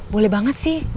boleh banget sih